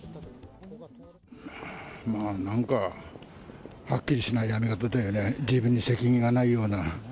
まあ、なんかはっきりしない辞め方だよね、自分に責任がないような。